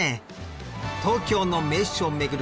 東京の名所を巡る